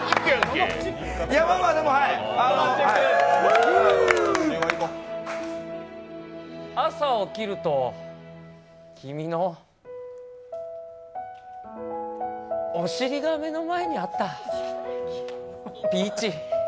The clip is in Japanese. まあまあでも朝、起きると、君のお尻が目の前にあった、ピーチ。